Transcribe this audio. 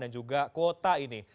dan juga kuota ini